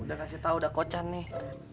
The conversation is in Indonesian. udah kasih tau udah kocan nih